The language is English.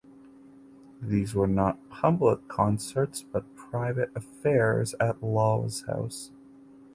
These were not public concerts but private affairs at Lawes house.